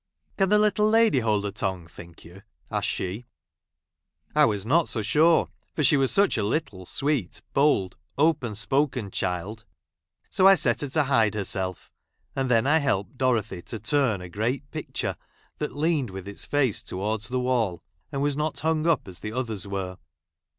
Can the little lady !! hold her tongue, think you 1 " asked she. ! I was not so sure, for she was such a little jl sweet, bold, open spoken child, so I set her I to hide herself ; and then I helped Dorothy to turn a great picture, that leaned with its face towards the wall, and was not hung up as the others were.